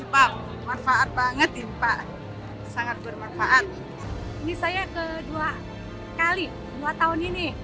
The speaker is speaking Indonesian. ini saya kedua kali dua tahun ini